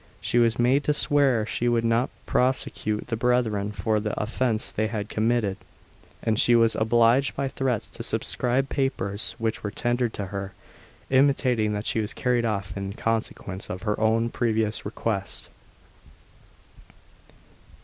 She was made to swear she would not prosecute the brethren for the offence they had committed; and she was obliged by threats to subscribe papers which were tendered to her, intimating that she was carried off in consequence of her own previous request.